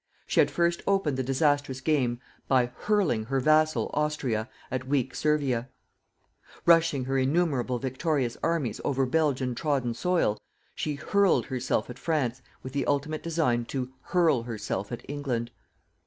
She had first opened the disastrous game by hurling her vassal, Austria, at weak Servia. Rushing her innumerable victorious armies over Belgian trodden soil, she hurled herself at France with the ultimate design to hurl herself at England.